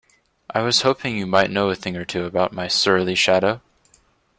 I was hoping you might know a thing or two about my surly shadow?